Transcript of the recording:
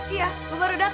iya gue baru datang